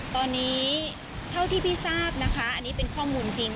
ตอนนี้เท่าที่พี่ทราบนะคะอันนี้เป็นข้อมูลจริง